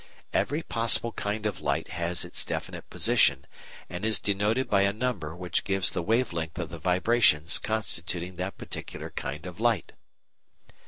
Every possible kind of light has its definite position, and is denoted by a number which gives the wave length of the vibrations constituting that particular kind of light.